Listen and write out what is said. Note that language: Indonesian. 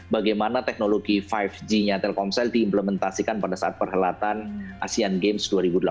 bagaimana teknologi lima g nya telkomsel diimplementasikan pada saat perhelatan asean games dua ribu delapan belas